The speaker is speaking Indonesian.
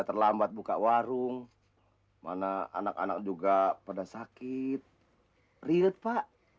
terlambat buka warung mana anak anak juga pada sakit real pak